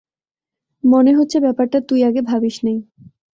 মনে হচ্ছে ব্যাপারটা তুই আগে ভাবিস নাই।